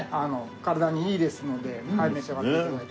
体にいいですので召し上がって頂いて。